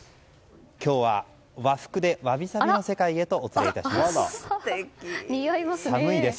今日は和服でわびさびの世界へとお連れします。